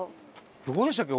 どこでしたっけ？